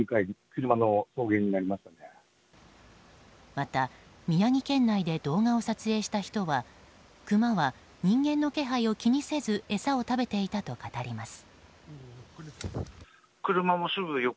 また、宮城県内で動画を撮影した人はクマは人間の気配を気にせず餌を食べていたと語ります。